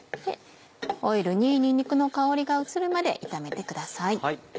オイルににんにくの香りが移るまで炒めてください。